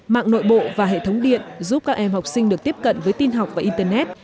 mạng nội bộ và hệ thống điện giúp các em học sinh được tiếp cận với tin học và internet